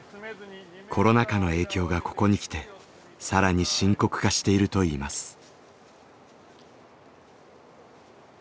コロナ禍の影響がここに来て更に深刻化しているといいます。